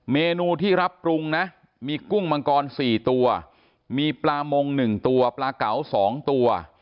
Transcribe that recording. เมนูที่รับปรุงนะมีกุ้งมังกร๔ตัวมีปลามง๑ตัวปลาเก๋า๒ตัว